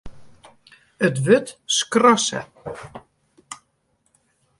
It wurd skrasse.